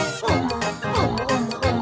「おもおもおも！